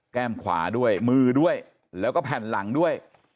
แก้มขวาด้วยมือด้วยและก็แหล่นหลังด้วย